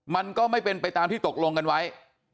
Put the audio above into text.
มันก็ไม่เป็นไปตามที่ตกลงกันไว้